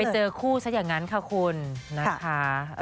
เจอคู่ซะอย่างนั้นค่ะคุณนะคะ